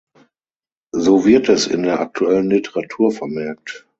So wird es in der aktuellen Literatur vermerkt.